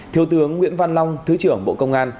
thiếu tướng nguyễn văn long thứ trưởng bộ công an